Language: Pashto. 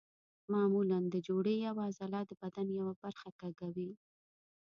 معمولا د جوړې یوه عضله د بدن یوه برخه کږوي.